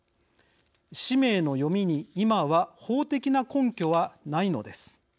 氏名の読みに今は法的な根拠はないのです。